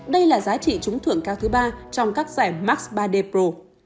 đây là giá trị trúng thưởng cao thứ ba trong các giải max ba d pro